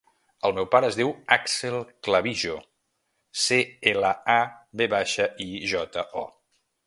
El meu pare es diu Àxel Clavijo: ce, ela, a, ve baixa, i, jota, o.